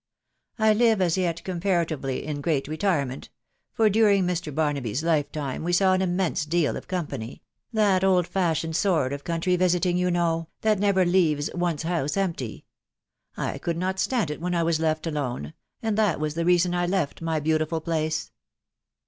... I live* as yet comparatively in great retirement ; for during Mr. Barnaby' s lifetime we saw an immense deal of company, — that old fashioned sort of country visiting, you know, that never leaves one's house empty. •.. I could not stand it when I was left alone .... and that was the reason 1 left my beautiful place."